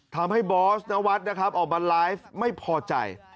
บอสนวัฒน์นะครับออกมาไลฟ์ไม่พอใจ